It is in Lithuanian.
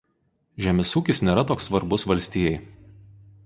Žemės ūkis nėra toks svarbus valstijai.